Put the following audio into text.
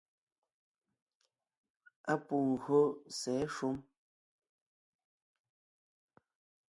Á pû gÿô sɛ̌ shúm.